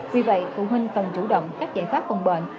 vì vậy phụ huynh cần chủ động các giải pháp phòng bệnh